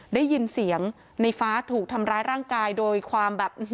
ได้ยินเสียงในฟ้าถูกทำร้ายร่างกายโดยความแบบ